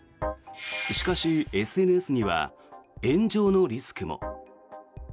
しかし、ＳＮＳには炎上のリスクも。